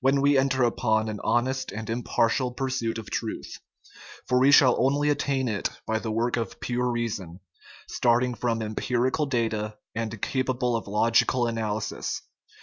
when we enter upon an honest and impar tial pursuit of truth ; for we shall only attain it by the work of pure reason, starting from empirical data and capable of logical analysis.